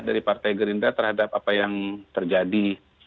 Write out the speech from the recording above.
dari partai gerindra terhadap apa yang terjadi